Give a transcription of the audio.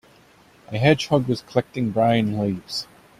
A hedgehog was collecting brown leaves.